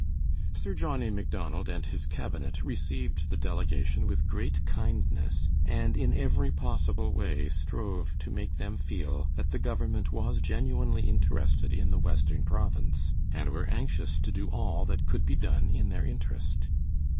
Sir John A. MacDonald and his cabinet received the delegation with great kindness, and in every possible way strove to make them feel that the government was genuinely interested in the western province, and were anxious to do all that could be done in their interest.